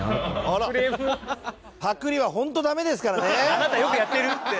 あなたよくやってる！